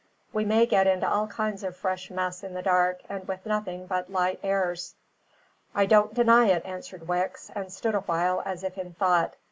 We may get into all kinds of fresh mess in the dark and with nothing but light airs." "I don't deny it," answered Wicks, and stood awhile as if in thought.